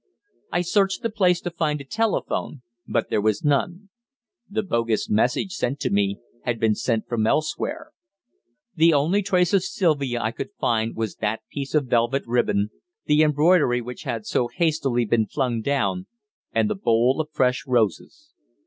I searched the place to find a telephone, but there was none. The bogus message sent to me had been sent from elsewhere. The only trace of Sylvia I could find was that piece of velvet ribbon, the embroidery which had so hastily been flung down, and the bowl of fresh roses.